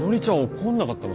怒んなかったの？